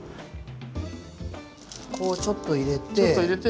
こうちょっと入れて。